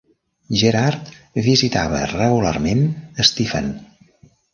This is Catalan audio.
Gerard visitava regularment Stephen.